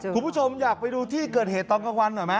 คุณผู้ชมอยากไปดูที่เกิดเหตุตอนกลางวันหน่อยไหม